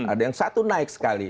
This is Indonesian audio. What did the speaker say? ada yang satu naik sekali